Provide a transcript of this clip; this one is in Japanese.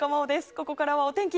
ここからはお天気